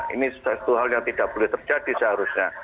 ini sesuatu hal yang tidak boleh terjadi seharusnya